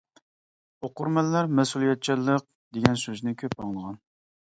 ئوقۇرمەنلەر «مەسئۇلىيەتچانلىق» دېگەن سۆزنى كۆپ ئاڭلىغان.